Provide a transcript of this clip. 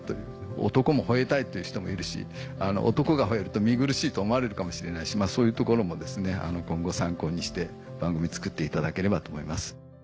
男も吠えたいっていう人もいるし男が吠えると見苦しいと思われるかもしれないしそういうところも今後参考にして番組作っていただければと思います。